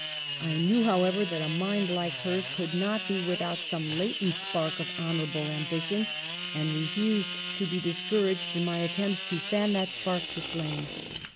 I knew, however, that a mind like hers could not be without some latent spark of honor able ambition, and refused to be discouraged in my attempts to fan that spark to flame.